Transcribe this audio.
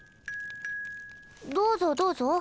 どうぞどうぞ。